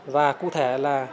và cụ thể là